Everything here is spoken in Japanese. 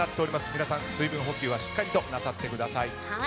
皆さん、水分補給はしっかりとなさってください。